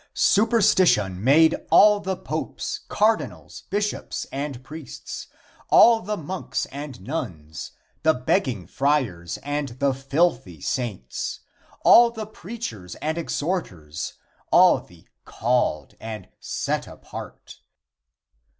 Superstition made all the popes, cardinals, bishops and priests, all the monks and nuns, the begging friars and the filthy saints, all the preachers and exhorters, all the "called" and "set apart."